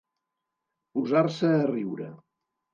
Posar-se a riure.